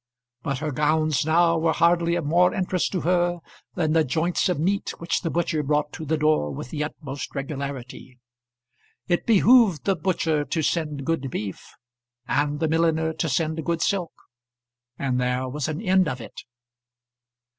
But her gowns now were hardly of more interest to her than the joints of meat which the butcher brought to the door with the utmost regularity. It behoved the butcher to send good beef and the milliner to send good silk, and there was an end of it.